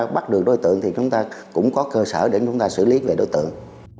và đối tượng thì chúng ta cũng có cơ sở để chúng ta xử lý về đối tượng